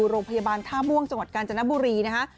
โรงพยาบาลท่าม่วงจังหวัดกาญจนบุรีนะคะ